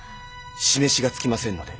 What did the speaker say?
しめしがつきませんので。